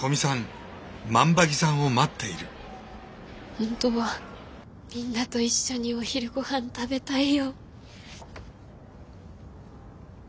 ほんとはみんなと一緒にお昼ごはん食べたいよ。